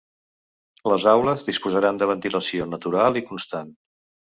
Les aules disposaran de ventilació natural i constant.